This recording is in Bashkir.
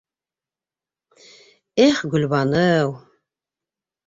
Эх Гөлбаныу!